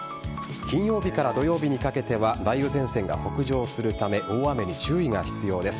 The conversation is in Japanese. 金曜日から土曜日にかけては梅雨前線が北上するため大雨に注意が必要です。